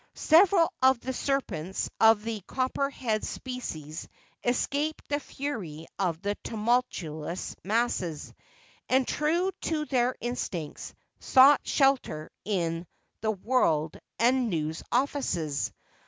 Several of the serpents of the copper head species escaped the fury of the tumultuous masses, and true to their instincts, sought shelter in the World and News offices.